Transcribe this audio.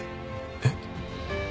えっ？